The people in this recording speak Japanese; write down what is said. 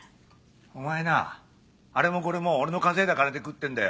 お前なあれもこれも俺の稼いだ金で食ってんだよ。